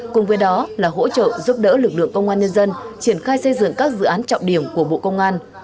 cùng với đó là hỗ trợ giúp đỡ lực lượng công an nhân dân triển khai xây dựng các dự án trọng điểm của bộ công an